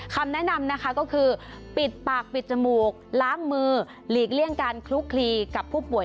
คำแนะนำนะคะก็คือปิดปากปิดจมูกล้างมือหลีกเลี่ยงการคลุกคลีกับผู้ป่วย